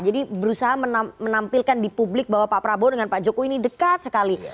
jadi berusaha menampilkan di publik bahwa pak prabowo dengan pak joko ini dekat sekali